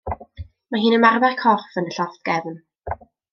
Mae hi'n ymarfer corff yn y llofft gefn.